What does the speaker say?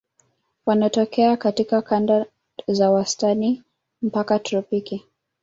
Wanatokea katika kanda za wastani mpaka tropiki.